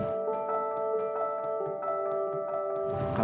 jadi aku diang masak